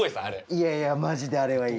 いやいやマジであれはいい。